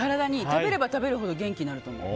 食べれば食べるほど元気になると思う。